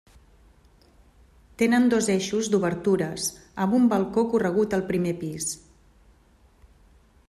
Tenen dos eixos d'obertures amb un balcó corregut al primer pis.